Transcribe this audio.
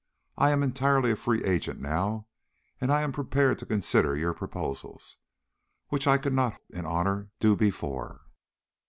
I am entirely a free agent now, and I am prepared to consider your proposals, which I could not in honor do before."